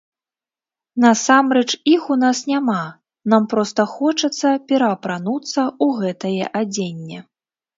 Насамрэч, іх у нас няма, нам проста хочацца пераапрануцца ў гэтае адзенне.